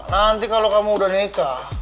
nanti kalau kamu udah nikah